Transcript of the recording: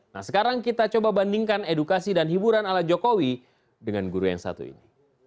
nah sekarang kita coba bandingkan edukasi dan hiburan ala jokowi dengan guru yang satu ini